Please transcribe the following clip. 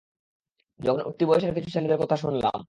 যখন উঠতি বয়সের কিছু ছেলেদের কথা শুনলাম।